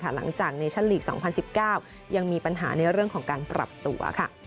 หลังจากเนชั่นลีก๒๐๑๙ยังมีปัญหาในเรื่องของการปรับตัว